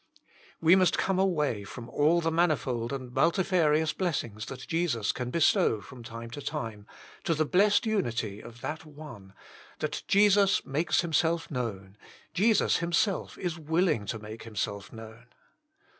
We must come away from all the manifold and multifarious blessings^ that Jesus can bestow from time to time, to the blessed unity of that one — Jesus Himself. 31 that Jesus makes Himself known, Jesus Himself is willing to make Himself known.